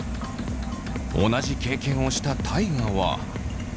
同じ経験をした大我は。